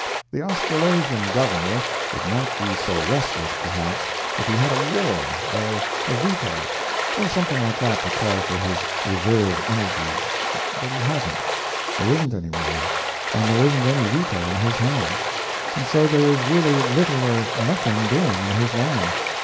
The Australasian Governor would not be so restless, perhaps, if he had a war, or a veto, or something like that to call for his reserve energies, but he hasn't. There isn't any war, and there isn't any veto in his hands. And so there is really little or nothing doing in his line.